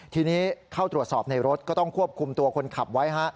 ทีนี้เข้าตรวจสอบในรถก็ต้องควบคุมตัวคนขับไว้